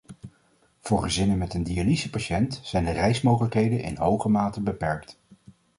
Voor gezinnen met een dialysepatiënt zijn de reismogelijkheden in hoge mate beperkt.